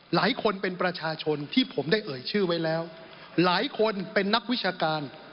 หลายคนเป็นประชาชนที่ผมได้เอ่ยชื่อไว้แล้วหลายคนเป็นนักวิชาการ